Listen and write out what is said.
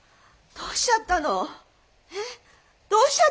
どうしちゃったんだい？